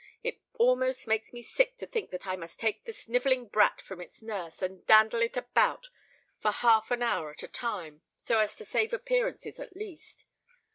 Faugh! it almost makes me sick to think that I must take the snivelling brat from its nurse, and dandle it about for half an hour at a time, so as to save appearances at least.